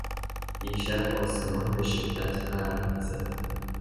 دیشب آسمان بهشدت برق میزد.